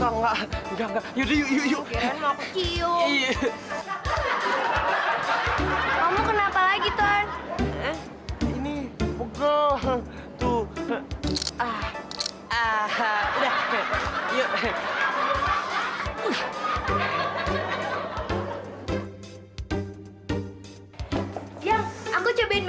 enggak enggak enggak enggak enggak enggak enggak enggak enggak enggak enggak enggak enggak enggak